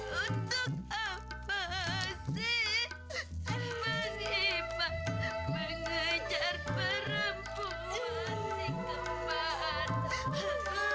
untuk apa sih menipu mengejar perempuan kemana